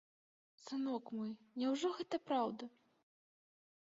Сынок мой, няўжо гэта праўда?